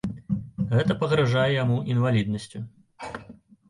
Гэта пагражае яму інваліднасцю.